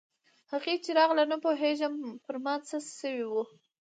هغه چې راغله نه پوهېږم پر ما څه سوي وو.